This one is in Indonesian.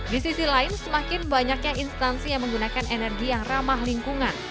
di sisi lain semakin banyaknya instansi yang menggunakan energi yang ramah lingkungan